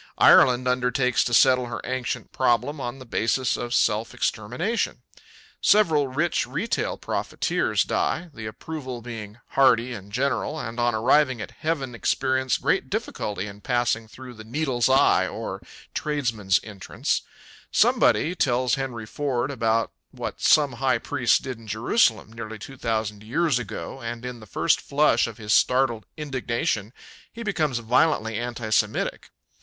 Ireland undertakes to settle her ancient problem on the basis of self extermination. Several rich retail profiteers die, the approval being hearty and general, and on arriving at heaven experience great difficulty in passing through the Needle's Eye, or tradesmen's entrance. Somebody tells Henry Ford about what some high priests did in Jerusalem nearly two thousand years ago and in the first flush of his startled indignation he becomes violently anti Semitic.